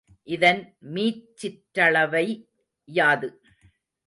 இதன் மீச்சிற்றளவை யாது?